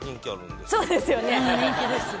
そうですよね。